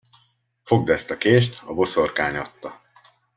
Fogd ezt a kést, a boszorkány adta!